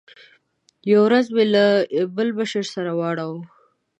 یوه ورځ مې له بل مشر سره واړاوه.